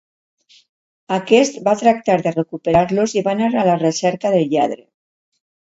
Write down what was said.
Aquest va tractar de recuperar-los i va anar a la recerca del lladre.